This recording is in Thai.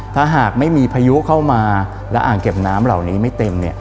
ถ้าหากไม่มีพายุเข้ามาและอ่างเก็บน้ำเหล่านี้ไม่เต็ม